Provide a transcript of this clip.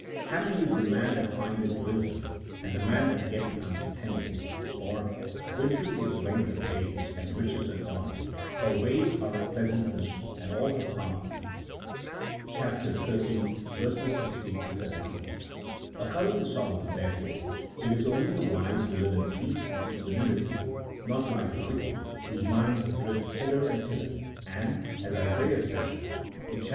" Happy is the man that findeth wisdom, and the man that getteth CHAP. IV.] OP THE DIVINE LAW. 67 •understanding," for "Wisdom gives length, of days, and riches and honour ; her ways are ways of pleasantness, and all her paths peace" (xiii. 16, 17). According to Solomon, therefore, it is only the wise who live in peace and equa nimity, not like the wicked whose minds drift hither and thither, and (as Isaiah says, chap.